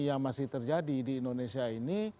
yang masih terjadi di indonesia ini